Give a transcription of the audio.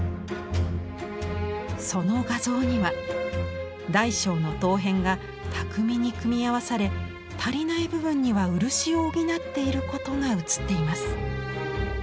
その画像には大小の陶片が巧みに組み合わされ足りない部分には漆を補っていることが写っています。